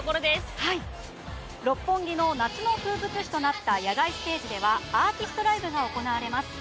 六本木の夏の風物詩となった野外ステージではアーティストライブが行われます。